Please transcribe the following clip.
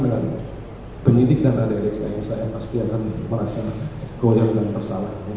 dan penyidik dan rakyat yang saya pastikan merasa goyang dan bersalah